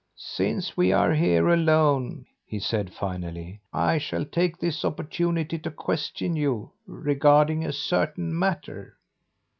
"Since we are here alone," he said finally, "I shall take this opportunity to question you regarding a certain matter.